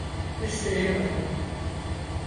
İstediğin oldu.